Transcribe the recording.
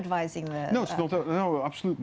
dan anda mencari saran